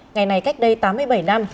ngày này cách đây tám mươi bảy năm